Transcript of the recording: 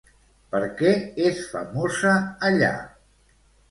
Per què és famosa allà?